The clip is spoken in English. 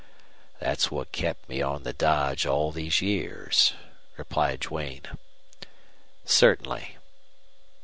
"That's what kept me on the dodge all these years," replied Duane. "Certainly."